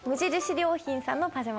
良品さんのパジャマ。